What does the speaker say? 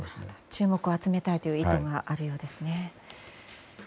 注目を集めたいという意図があるようですね。